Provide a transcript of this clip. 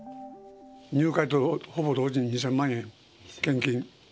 入会とほぼ同時に２０００万円献金。